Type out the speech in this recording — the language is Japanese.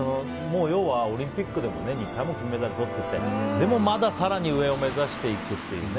要はオリンピックでも２回も金メダルをとって、でも更に上を目指していくっていうね。